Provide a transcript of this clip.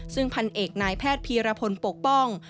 ซึ่งพันเอกนายแพทย์พีรพลปกป้อง